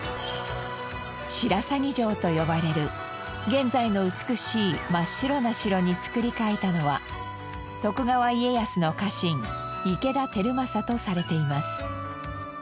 白鷺城と呼ばれる現在の美しい真っ白な城に造り替えたのは徳川家康の家臣池田輝政とされています。